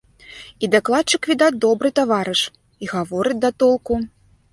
І дакладчык, відаць, добры таварыш, і гаворыць да толку.